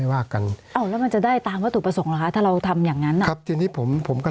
สวัสดีครับทุกคน